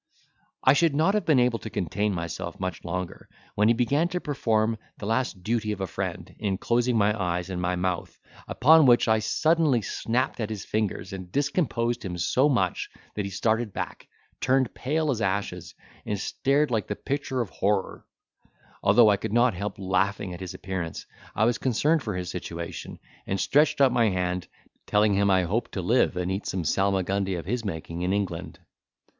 I should not have been able to contain myself much longer, when he began to perform the last duty of a friend, in closing my eyes and my mouth, upon which I suddenly snapped at his fingers and discomposed him so much that he started back, turned pale as ashes, and stared like the picture of horror; although I could not help laughing at his appearance, I was concerned for his situation, and stretched out my hand, telling him I hoped to live and eat some salmagundy of his making in England.